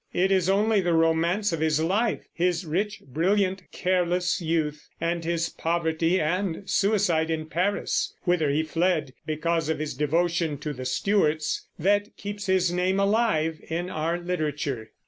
It is only the romance of his life his rich, brilliant, careless youth, and his poverty and suicide in Paris, whither he fled because of his devotion to the Stuarts that keeps his name alive in our literature.